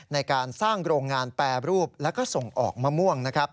ในการสร้างโรงงานแปรรูปแล้วก็ส่งออกมะม่วง